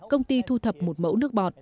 công ty thu thập một mẫu nước bọt